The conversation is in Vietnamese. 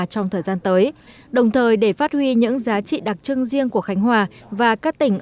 trong thời gian tới đồng thời để phát huy những giá trị đặc trưng riêng của khánh hòa và các tỉnh